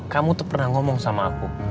kamu tuh pernah ngomong sama aku